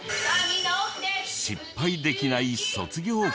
失敗できない卒業公演。